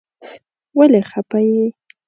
ولی خپه یی ؟